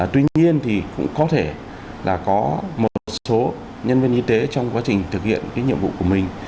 tuy nhiên thì cũng có thể là có một số nhân viên y tế trong quá trình thực hiện cái nhiệm vụ của mình